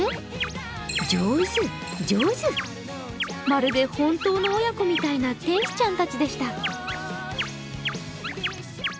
まるで本当の親子みたいな天使ちゃんたちでした。